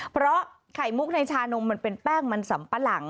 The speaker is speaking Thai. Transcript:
เพราะไข่มุกในชานมมันเป็นแป้งมันสำปะหลัง